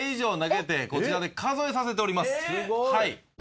すごい！